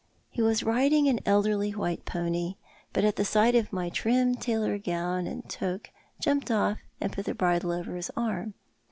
He was riding an elderly white pony, but at the sight of my trim tailor gown and toque jumped off and put the bridle over liis arm.